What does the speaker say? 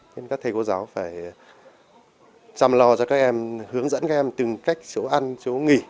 nên các thầy cô giáo phải chăm lo cho các em hướng dẫn các em từng cách chỗ ăn chỗ nghỉ